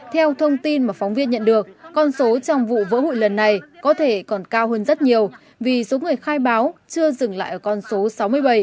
theo thông tin mà phóng viên nhận được con số trong vụ vỡ hụi lần này có thể còn cao hơn rất nhiều vì số người khai báo chưa dừng lại ở con số sáu mươi bảy